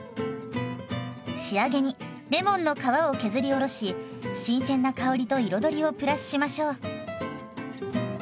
仕上げにレモンの皮を削りおろし新鮮な香りと彩りをプラスしましょう。